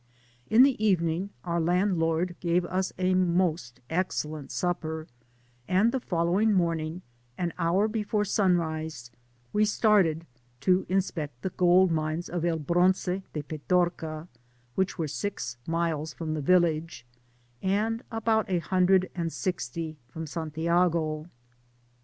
In the evening our landlord gave us a most ex cellent supper, and the following morning, an hour before sunrise, we started to inspect the gold mines of £1 Bronce de Petorca, which were six miles firom the village, and about a hundred and sixty from Santiago.